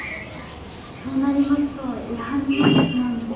そうなりますと違反になってしまうんです。